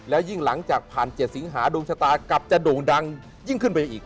แล้วยิ่งหลังจากผ่าน๗สิงหาดวงชะตากลับจะโด่งดังยิ่งขึ้นไปอีก